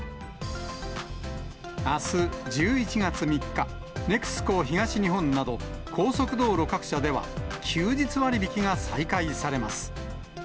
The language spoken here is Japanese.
あす１１月３日、ＮＥＸＣＯ東日本など高速道路各社では、休日割引が再開されます。